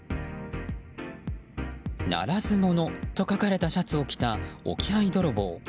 ならず者と書かれたシャツを着た置き配泥棒。